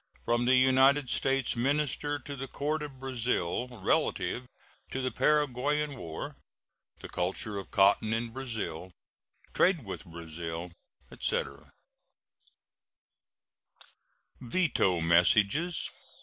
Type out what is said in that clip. from the United States minister to the Court of Brazil relative to the Paraguayan war, the culture of cotton in Brazil, trade with Brazil, etc.] VETO MESSAGES.